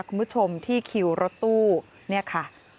คุณผู้ชมที่คิวรถตู้เนี่ยค่ะ